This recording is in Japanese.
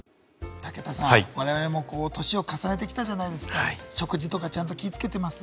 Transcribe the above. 武田さん、我々も年を重ねてきたじゃないですか、食事とか気をつけてます？